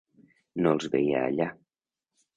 No els veia allà.